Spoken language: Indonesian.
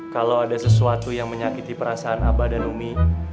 kalau ada sesuatu yang menyakiti perasaan abah dan umi